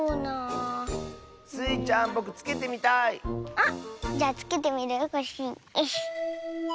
あっじゃつけてみるねコッシー。